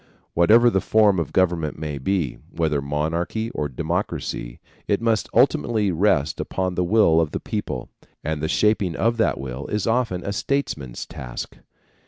Whatever the form of government may be, whether monarchy or democracy, it must ultimately rest upon the will of the people, and the shaping of that will is often a statesman's task.